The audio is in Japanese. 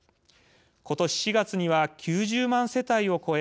ことし４月には９０万世帯を超え